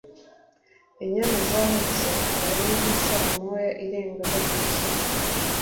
Inyana zahutse (aho ni nka saa moya irengaho duke)